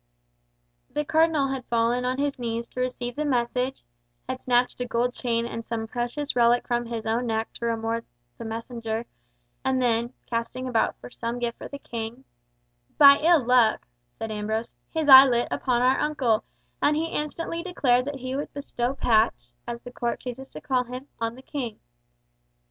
The Cardinal had fallen on his knees to receive the message, had snatched a gold chain and precious relic from his own neck to reward the messenger, and then, casting about for some gift for the King, "by ill luck," said Ambrose, "his eye lit upon our uncle, and he instantly declared that he would bestow Patch, as the Court chooses to call him, on the King.